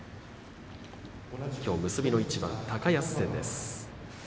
きょう結びの一番は高安戦です。